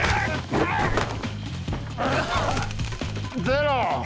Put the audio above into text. ゼロ！